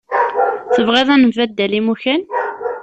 Tebɣiḍ ad nembaddal imukan?